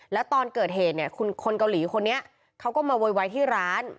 แล้วตอนเกิดเหตุเนี่ยคนเกาหลีคนนี้เขาก็มาโวยวายที่ร้าน